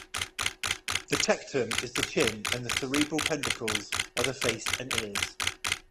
The tectum is the chin and the cerebral peduncles are the face and ears.